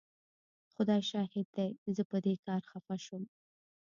خدای شاهد دی زه په دې کار خفه شوم.